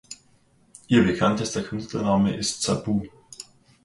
Ihr bekanntester Künstlername ist "Sabu".